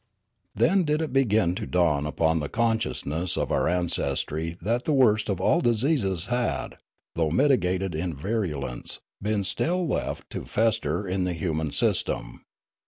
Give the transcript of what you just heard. " Then did it begin to dawn upon the consciousness of our ancestry that the worst of all diseases had, though mitigated in virulence, been still left to fester in the human system.